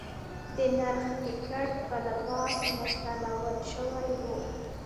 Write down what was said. د نرخ ټکټ په لباس نښلول شوی و.